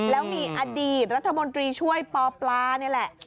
แล้วมีอดีตรัฐมนตรีช่วยปปลานี่แหละ